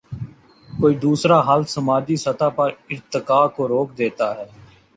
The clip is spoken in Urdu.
کوئی دوسرا حل سماجی سطح پر ارتقا کو روک دیتا ہے۔